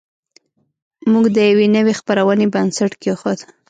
موږ د یوې نوې خپرونې بنسټ کېښود